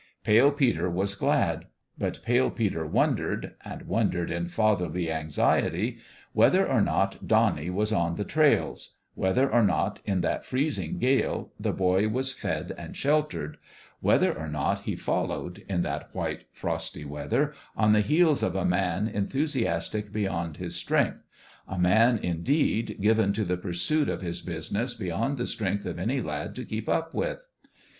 Pale Peter was glad ; but Pale Peter wondered and wondered in fatherly anxiety whether or not Donnie was on the trails whether or not, in that freezing gale, the boy was fed and sheltered whether or not he followed, in that white, frosty weather, on the heels of a man enthusiastic beyond his strength, 284 FATHER AND SON 285 a man, indeed, given to the pursuit of his busi ness beyond the strength of any lad to keep up with.